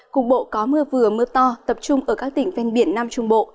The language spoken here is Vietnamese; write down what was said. cục bộ có mưa vừa mưa to tập trung ở các tỉnh ven biển nam trung bộ